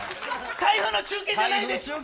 台風の中継じゃないです。